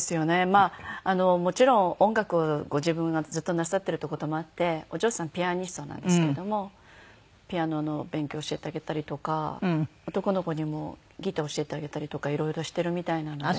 まあもちろん音楽をご自分がずっとなさってるって事もあってお嬢さんピアニストなんですけどもピアノの勉強教えてあげたりとか男の子にもギター教えてあげたりとかいろいろしてるみたいなので。